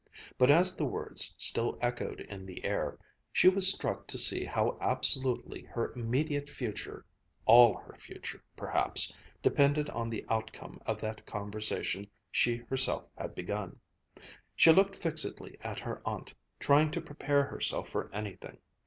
But as the words still echoed in the air, she was struck to see how absolutely her immediate future, all her future, perhaps, depended on the outcome of that conversation she herself had begun. She looked fixedly at her aunt, trying to prepare herself for anything.